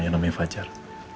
yang namanya fajar